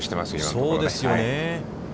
そうですよね。